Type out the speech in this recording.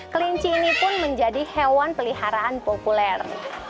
kelinci ini pun menjadi hewan peliharaan populer